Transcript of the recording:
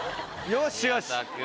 よしよし。